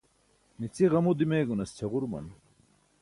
mici ġamu dimeegunas ćʰaġuruman